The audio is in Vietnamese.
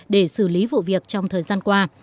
để xử lý vụ việc trong thời gian qua